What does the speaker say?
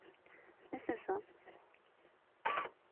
Nesin sen?